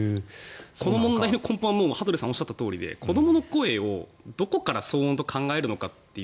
この問題の根本は羽鳥さんがおっしゃったとおりで子どもの声を、どこから騒音と考えるのかっていう。